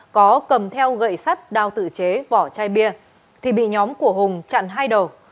có cầm theo gậy sắt đao tự chế vỏ chai bia thì bị nhóm của hùng chặn hai đầu